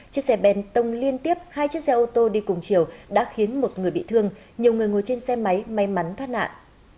chiếc xe ben tông liên tiếp hai chiếc xe ô tô đi cùng chiều đã khiến một người bị thương nhiều người ngồi trên xe máy may mắn thoát nạn